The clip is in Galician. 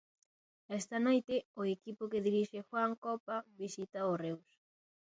Esta noite o equipo que dirixe Juan Copa visita o Reus.